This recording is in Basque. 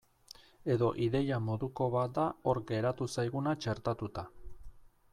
Edo ideia moduko bat da hor geratu zaiguna txertatuta.